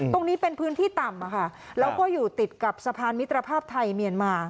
ตรงนี้เป็นพื้นที่ต่ำแล้วก็อยู่ติดกับสะพานมิตรภาพไทยเมียนมา